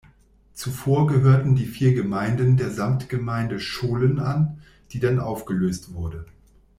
Zuvor gehörten die vier Gemeinden der Samtgemeinde Scholen an, die dann aufgelöst wurde.